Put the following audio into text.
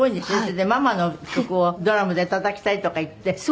それでママの曲をドラムでたたきたいとか言って。